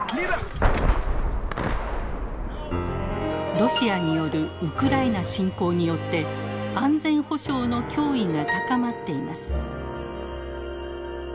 ロシアによるウクライナ侵攻によって安全保障の脅威が高まっています。